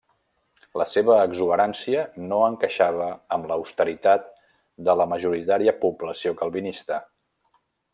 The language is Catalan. La seva exuberància no encaixava amb l'austeritat de la majoritària població calvinista.